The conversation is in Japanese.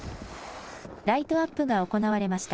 ライトアップが行われました。